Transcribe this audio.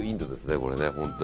これね、本当に。